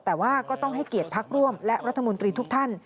แต่ว่าก็ต้องให้เกียรติพักร่วมและรัฐมนตรีทุกท่าน